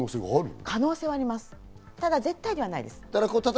でも絶対ではないです。